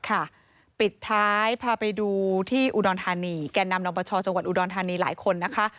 ปิดท้ายพาไปดูที่อุดรธานีแก่นำนปชจังหวัดอุดรธานีหลายคนนะคะ